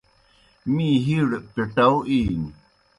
می ہِیڑ پِٹَاؤ اِینیْ۔